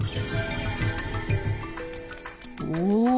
お。